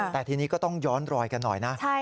แต่ทีนี้ก็ต้องย้อนรอยกันหน่อยนะ